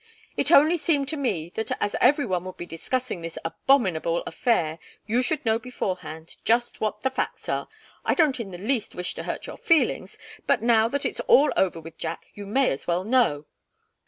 "It only seemed to me that as every one would be discussing this abominable affair, you should know beforehand just what the facts were. I don't in the least wish to hurt your feelings but now that it's all over with Jack, you may as well know."